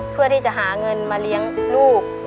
เพื่อที่จะหาเงินมาเลี้ยงลูก